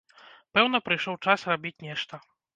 Пэўна, прыйшоў час рабіць нешта.